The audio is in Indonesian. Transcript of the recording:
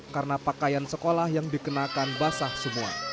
karena pakaian sekolah yang dikenakan basah semua